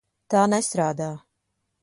Tā nestrādā.